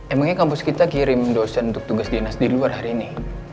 emangnya kampus kita kirim dosen untuk tugas dinas di luar hari ini